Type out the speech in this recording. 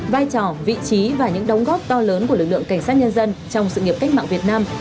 vai trò vị trí và những đóng góp to lớn của lực lượng cảnh sát nhân dân trong sự nghiệp cách mạng việt nam